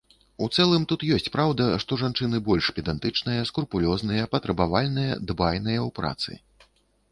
У цэлым тут ёсць праўда, што жанчыны больш педантычныя, скрупулёзныя, патрабавальныя, дбайныя ў працы.